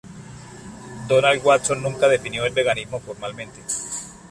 Donald Watson nunca definió el veganismo formalmente.